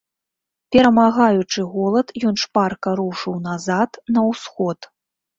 Перамагаючы голад, ён шпарка рушыў назад, на ўсход.